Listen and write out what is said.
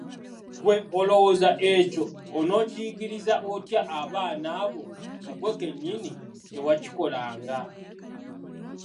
Gwe olowooza ekyo onokiyigiriza otya abaana bo nga ggwe kennyini tewakikolanga.